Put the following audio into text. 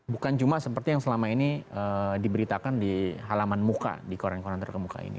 bukan cuma seperti yang selama ini diberitakan di halaman muka di koran koran terkemuka ini